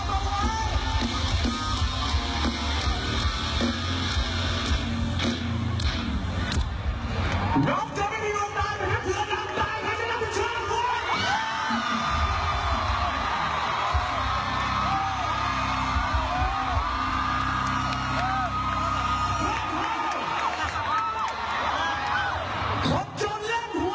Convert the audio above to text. ผมจนเล่นหัวคนร่างสั่ง